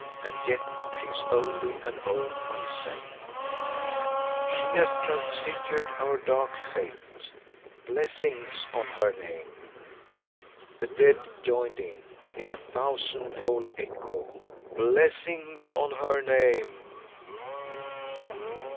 And yet she is only an old Mamsell. "She has transfigured our dark fate. Blessings on her name!" The dead joined in, in a thousandfold echo: "Blessings on her name!"